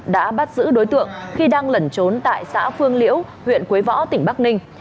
đã bắt giữ đối tượng khi đang lẩn trốn tại xã phương liễu huyện quế võ tỉnh bắc ninh